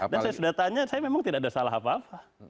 dan saya sudah tanya saya memang tidak ada salah apa apa